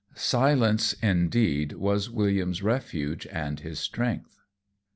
Silence, indeed, was William's refuge and his strength.